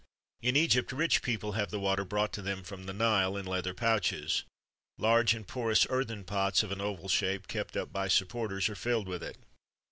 "In Egypt, rich people have the water brought to them from the Nile in leather pouches. Large and porous earthen pots of an oval shape, kept up by supporters, are filled with it.